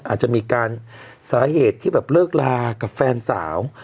อาจจะมีการสาเหตุที่แบบเลิกลากับแฟนสาว